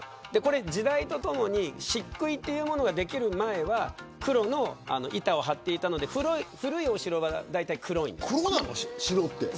時代とともにしっくいというものができる前は黒の板を張っていたので古いお城はだいたい黒いんです。